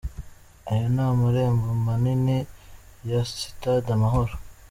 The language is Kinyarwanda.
Aya ni amarembo Manini ya Sitade Amahoro